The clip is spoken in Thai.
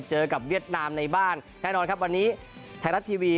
เจอกับเวียดนามในบ้านแน่นอนครับวันนี้ไทยรัฐทีวี